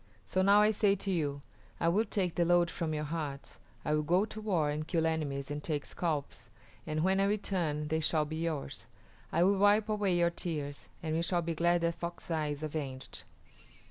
So now I say to you, I will take the load from your hearts; I will go to war and kill enemies and take scalps, and when I return they shall be yours. I will wipe away your tears, and we shall be glad that Fox Eye is avenged."